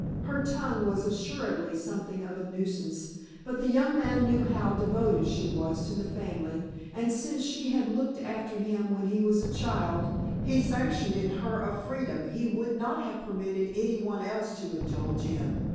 Her tongue was assuredly something of a nuisance, but the young man knew how devoted she was to the family, and, since she had looked after him when he was a child, he sanctioned in her a freedom he would not have permitted any one else to indulge in.